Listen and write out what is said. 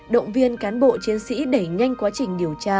động viên cán bộ chiến sĩ đẩy nhanh quá trình điều tra xác minh